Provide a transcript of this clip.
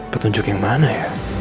petunjuk yang mana ya